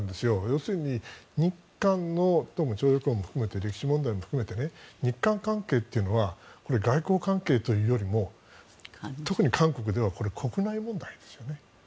要するに日韓の徴用工も含めて歴史問題も含めて日韓関係というのは外交関係というよりも特に韓国では国内問題ですよね。